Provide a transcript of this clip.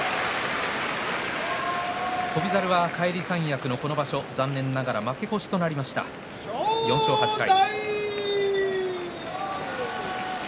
翔猿は返り三役のこの場所残念ながら負け越しとなりました４勝８敗。